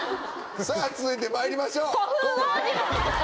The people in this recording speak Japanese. さぁ続いてまいりましょう。